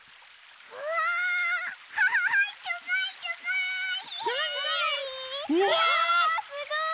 うわすごい！